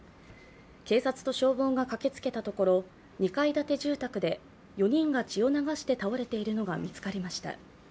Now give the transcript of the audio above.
警察と消防が駆けつけたところ、２階建て住宅で４人が血を流して倒れているのが見つかりました。